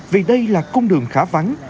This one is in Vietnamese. vì đây là công đường khá vắng